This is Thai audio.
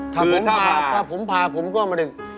คือถ้าผ่าถ้าผมผ่าผมก็มาดูแลแม่ผม